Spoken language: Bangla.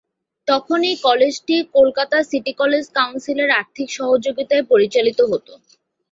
তখন এই কলেজটি কলকাতা সিটি কলেজ কাউন্সিলের আর্থিক সহযোগিতায় পরিচালিত হতো।